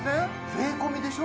税込みでしょ？